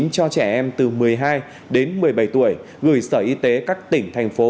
cho trẻ em từ một mươi hai đến một mươi bảy tuổi gửi sở y tế các tỉnh thành phố